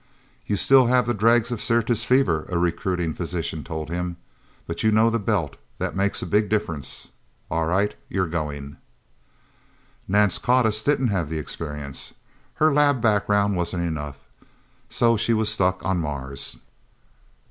"You still have the dregs of Syrtis Fever," a recruiting physician told him. "But you know the Belt. That makes a big difference... All right you're going..." Nance Codiss didn't have that experience. Her lab background wasn't enough. So she was stuck, on Mars.